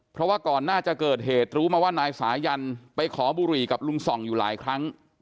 เพราะว่าก่อนหน้าจะเกิดเหตุรู้มาว่านายสายันไปขอบุหรี่กับลุงส่องอยู่หลายครั้ง